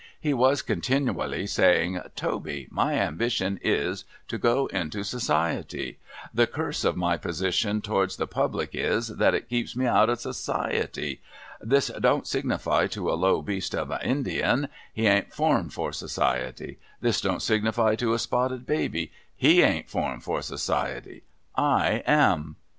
He was continiwally saying, ' Toby, my ambition is, to go into vSociety. The curse of my position towards the Pubhc is, that it keeps me hout of Society. This don't signify to a low beast of a Indian ; he an't formed for Society, 'i'his don't signify to a Spotted Baby ; he an't formed for Society. — 1 am.'